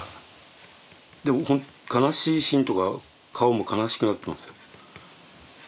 でも悲しいシーンとか顔も悲しくなってますよ。